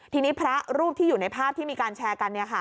ทีนี้พระรูปที่อยู่ในภาพที่มีการแชร์กัน